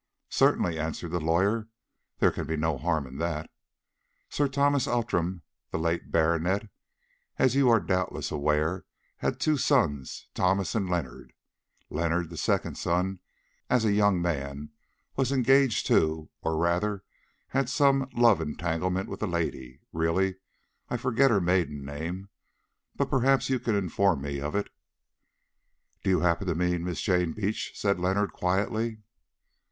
"Certainly," answered the lawyer, "there can be no harm in that. Sir Thomas Outram, the late baronet, as you are doubtless aware, had two sons, Thomas and Leonard. Leonard, the second son, as a young man was engaged to, or rather had some love entanglement with, a lady—really I forget her maiden name, but perhaps you can inform me of it——" "Do you happen to mean Miss Jane Beach?" said Leonard quietly.